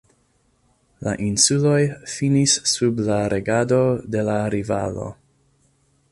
La insuloj finis sub la regado de la rivalo.